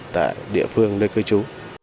tại địa phương nơi cư trú